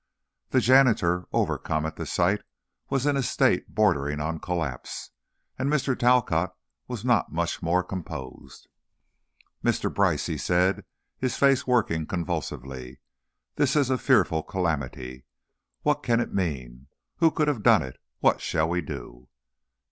The janitor, overcome at the sight, was in a state bordering on collapse, and Mr. Talcott was not much more composed. "Mr. Brice," he said, his face working convulsively, "this is a fearful calamity! What can it mean? Who could have done it? What shall we do?"